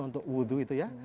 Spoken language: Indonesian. untuk wudhu itu ya